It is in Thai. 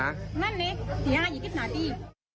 นั่นเนี้ยสี่ห้าหยีกกิบหนาตี